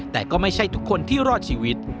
แต่ก็ไม่ใช่ทุกคนที่รอดชีวิต